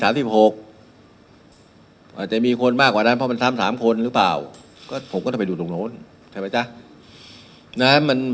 อาจจะมีคนมากกว่านั้นเพราะมันซ้ำ๓คนหรือเปล่าก็ผมก็ต้องไปดูตรงโน้นใช่ไหมจ๊ะ